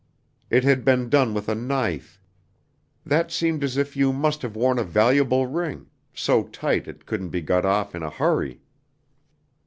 It had been done with a knife. That seemed as if you must have worn a valuable ring, so tight it couldn't be got off in a hurry."